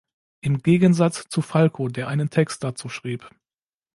Im Gegensatz zu Falco, der einen Text dazu schrieb.